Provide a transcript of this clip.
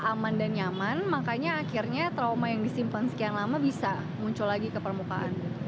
aman dan nyaman makanya akhirnya trauma yang disimpan sekian lama bisa muncul lagi ke permukaan